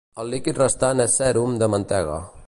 El líquid restant és sèrum de mantega.